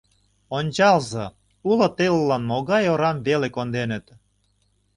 Ончалза, уло телылан могай орам веле конденыт...